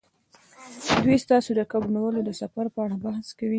دوی ستاسو د کب نیولو د سفر په اړه بحث کوي